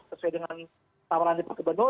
sesuai dengan tawaran dari pak gubernur